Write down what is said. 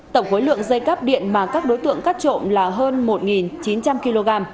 tổng khối lượng dây cắp điện mà các đối tượng cắt trộm là hơn một chín trăm linh kg